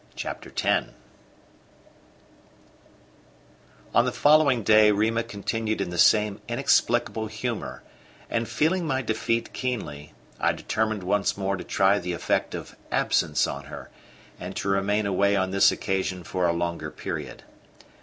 CHAPTER X On the following day Rima continued in the same inexplicable humour; and feeling my defeat keenly, I determined once more to try the effect of absence on her, and to remain away on this occasion for a longer period.